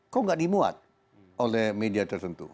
kok gak dimuat oleh media tertentu